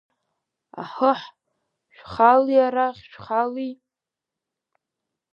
Аҳыҳ, шәхали арахь, шәхали!